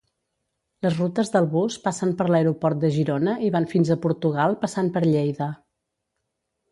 Les rutes del bus passen per l'aeroport de Girona i van fins a Portugal passant per Lleida.